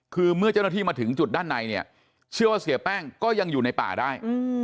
คือเมื่อเจ้าหน้าที่มาถึงจุดด้านในเนี่ยเชื่อว่าเสียแป้งก็ยังอยู่ในป่าได้